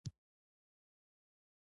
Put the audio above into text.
پښتانه په یوه خوله نه دي متحد.